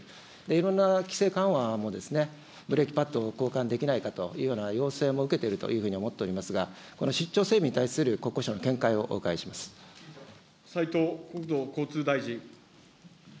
いろんな規制緩和もブレーキパッドを交換できないかというような要請も受けているというふうに思っておりますが、この出張整備に対する国交省の見解をお願いしま斉藤国土交通大臣。